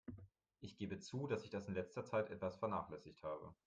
Ich gebe zu, dass ich das in letzter Zeit etwas vernachlässigt habe.